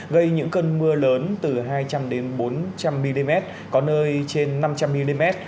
gây những cơn mưa lớn từ hai trăm linh bốn trăm linh mm có nơi trên năm trăm linh mm